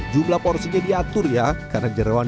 jumlah porsinya diatur ya karena jerawan